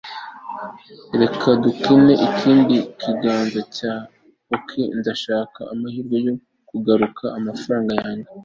reka dukine ikindi kiganza cya poker. ndashaka amahirwe yo kugarura amafaranga yanjye